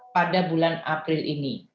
pada bulan april ini